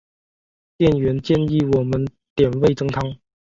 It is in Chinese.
店员建议我们点味噌汤